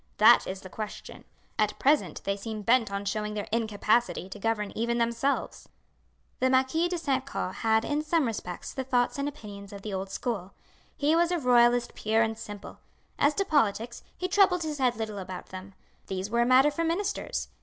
That is the question. At present they seem bent on showing their incapacity to govern even themselves." The Marquis de St. Caux had, in some respects, the thoughts and opinions of the old school. He was a royalist pure and simple. As to politics, he troubled his head little about them. These were a matter for ministers.